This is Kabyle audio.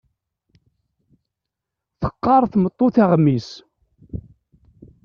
Teqqar tmeṭṭut aɣmis.